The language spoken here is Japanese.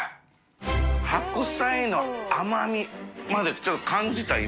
白菜の甘味までちょっと感じた今。